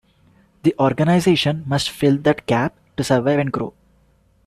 The organization must fill that gap to survive and grow.